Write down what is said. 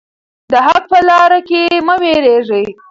د حق په لاره کې مه ویریږئ.